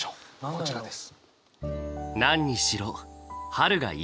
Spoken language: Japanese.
こちらです。